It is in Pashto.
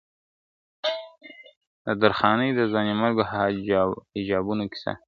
د درخانۍ د ځوانیمرګو حجابونو کیسه `